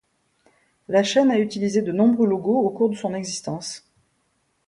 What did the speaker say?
La chaîne a utilisé de nombreux logos au cours de son existence.